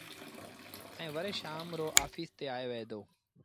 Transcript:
ائيٚݩ وري شآم رو آڦيٚس تي آئي وهي دو۔